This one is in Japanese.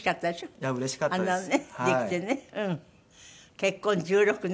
結婚１６年。